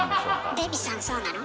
デヴィさんそうなの？